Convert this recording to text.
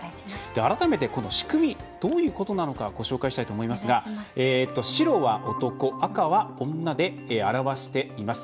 改めて、この仕組みどういうことなのかご紹介したいと思いますが白は男、赤は女で表しています。